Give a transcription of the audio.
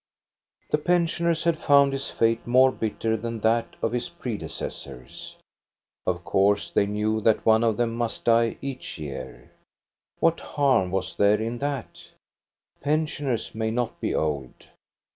The pensioners had found his fate more bitter than that of his' predecessors. Of course they knew that one of them must die each year. What harm was there in that? Pensioners may not be old.